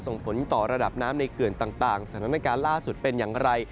ส่งผลต่อระดับน้ำในเขื่อนต่างสถานการณ์ล่าสุดเป็นอย่างไร